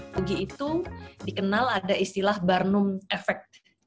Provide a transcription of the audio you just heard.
pagi itu dikenal ada istilah barnum efek